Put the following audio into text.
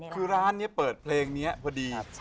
คือร้านนี้เปิดเพลงนี้พอดี